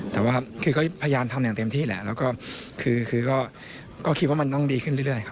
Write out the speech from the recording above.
แต่ว่าคือก็พยายามทำอย่างเต็มที่แหละแล้วก็คือก็คิดว่ามันต้องดีขึ้นเรื่อยครับ